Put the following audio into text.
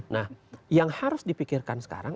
nah yang harus dipikirkan sekarang